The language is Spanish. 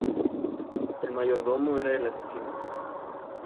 El mayordomo era el asesino.